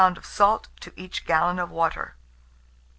of salt to each gallon of water.